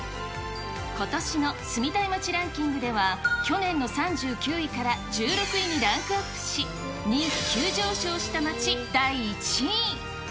ことしの住みたい街ランキングでは、去年の３９位から１６位にランクアップし、人気急上昇した街、第１位。